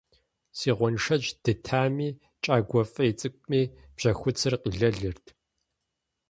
Си гъуэншэдж дытами, кӀагуэ фӀей цӀыкӀуми бжьэхуцыр къилэлырт.